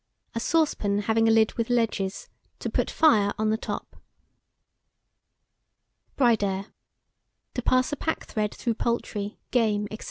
A saucepan having a lid with ledges, to put fire on the top. BRIDER. To pass a packthread through poultry, game, &c.